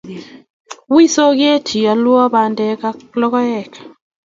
wiy soket ioulu bandek ak logoek